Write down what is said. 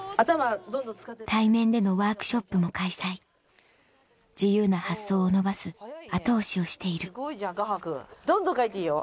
対面でのワークショップも開催自由な発想を伸ばす後押しをしているどんどん描いていいよ